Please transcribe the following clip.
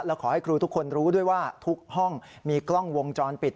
และขอให้ครูทุกคนรู้ด้วยว่าทุกห้องมีกล้องวงจรปิด